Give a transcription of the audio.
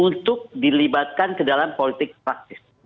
untuk dilibatkan ke dalam politik praktis